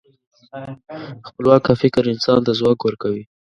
خپلواکه فکر انسان ته ځواک ورکوي.